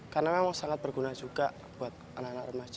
karena memang sangat berguna juga buat anak anak remaja